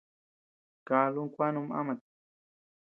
Kálu kuä num ámat.